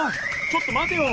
ちょっとまてよ！